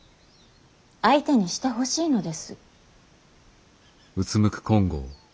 相手にしてほしいのです。